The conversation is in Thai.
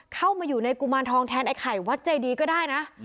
เข้ามาอยู่ในกุมารทองแทนไอ้ไข่วัดใจดีก็ได้นะ